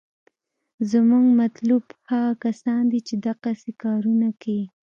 زمونګه مطلوب هغه کسان دي چې دقسې کارونه کيي.